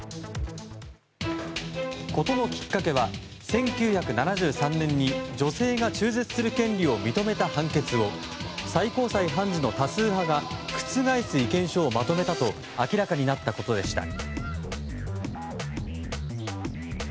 事のきっかけは１９７３年に女性が中絶する権利を認めた判決を最高裁判時の多数派が覆す意見書をまとめたと明らかになったことでした。